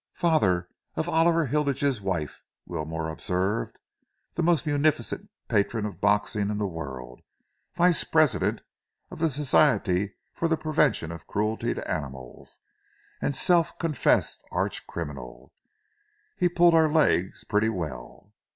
"Father of Oliver Hilditch's wife," Wilmore observed, "the most munificent patron of boxing in the world, Vice President of the Society for the Prevention of Cruelty to Animals, and self confessed arch criminal! He pulled our legs pretty well!"